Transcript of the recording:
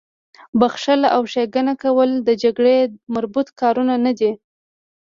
بخښل او ښېګڼه کول د جګړې مربوط کارونه نه دي